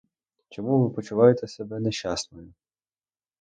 Чому ви почуваєте себе нещасною?